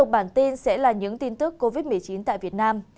bản tin sẽ là những tin tức covid một mươi chín tại việt nam